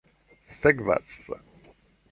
sekvas